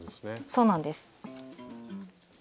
そうなんです。